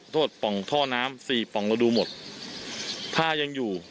โทษปล่องท่อน้ำสี่ปล่องระดูกหมดถ้ายังอยู่